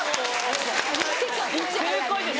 正解です